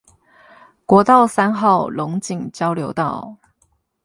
國道三號龍井交流道